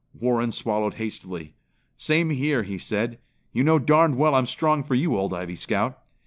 Warren swallowed hastily. "Same here!" he said. "You know darned well I'm strong for you, Old Ivy Scout."